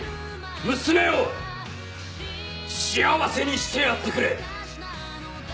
娘を幸せにしてやってくれ。